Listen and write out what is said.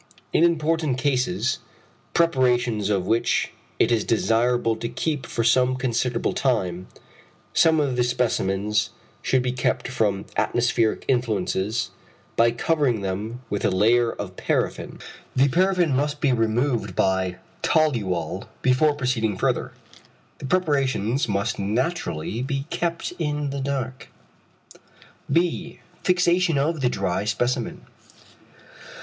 In important cases, preparations of which it is desirable to keep for some considerable time, some of the specimens should be kept from atmospheric influences by covering them with a layer of paraffin. The paraffin must be removed by toluol before proceeding further. The preparations must naturally be kept in the dark. [beta]. Fixation of the dry specimen.